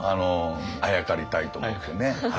あやかりたいと思ってね。